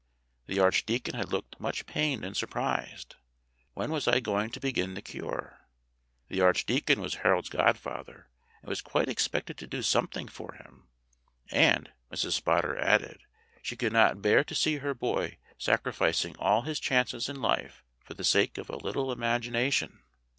The archdeacon had looked much pained and surprised. When was I going to begin the cure? The archdeacon was Harold's godfather, and was quite expected to do something for him; and, Mrs. Spotter added, she could not bear to see her boy sacri ficing all his chances in life for the sake of a little imagination.